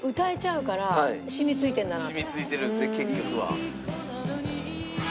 染み付いてるんですね結局は。